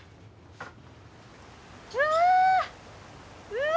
うわ！